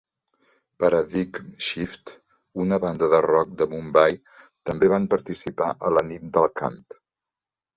Paradigm Shift, una banda de rock de Mumbai, també van participar a la nit del cant.